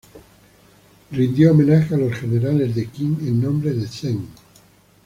Rindió homenaje a los generales de Qin en nombre de Zheng.